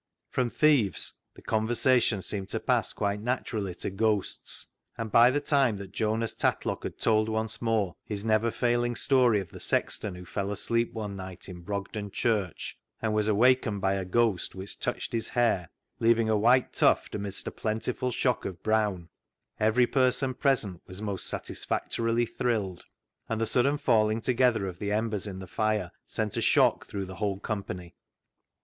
From thieves the conversa tion seemed to pass quite naturally to ghosts, and by the time that Jonas Tatlock had told once more his never failing story of the sexton who fell asleep one night in Brogden Church, and was awakened by a ghost which touched his hair, leaving a white tuft amidst a plentiful shock of brown, every person present was most satisfactorily thrilled, and the sudden falling together of the embers in the fire sent a shock through the whole company.